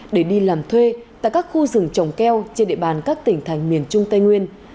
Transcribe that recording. để đi làm thuê tại các khu rừng trồng keo trên địa bàn các tỉnh thành miền trung tây nguyên